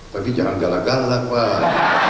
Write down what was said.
tapi jangan galak galak pak